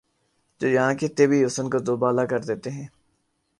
جو یہاں کے طبعی حسن کو دوبالا کر دیتے ہیں